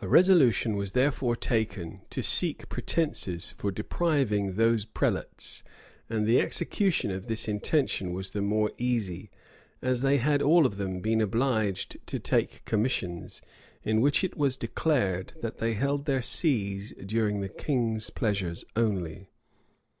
A resolution was therefore taken to seek pretences for depriving those prelates; and the execution of this intention was the more easy, as they had all of them been obliged to take commissions, in which it was declared, that they held their sees during the king's pleasure only.